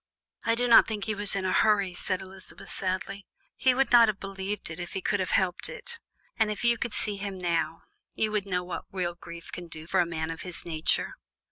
"I do not think he was in a hurry," said Elizabeth sadly; "he would not have believed it if he could have helped it, and if you could see him now, you would know what real grief can do for a man of his nature."